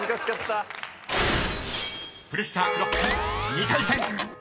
［プレッシャークロック２回戦］